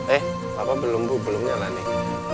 eh apa belum bu belum nyala nih